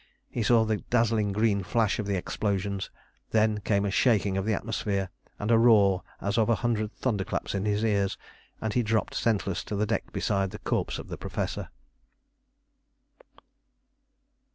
He saw the dazzling green flash of the explosions, then came a shaking of the atmosphere, and a roar as of a hundred thunder claps in his ears, and he dropped senseless to the deck beside the corpse of the Professor.